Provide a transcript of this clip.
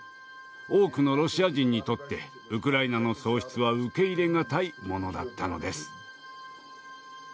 多くのロシア人にとってウクライナの喪失は受け入れ難いものだったのです。